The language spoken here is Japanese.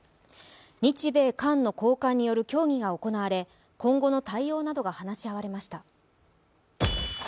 日米韓の高官による協議が行われ、今後の対応などが話し合われました。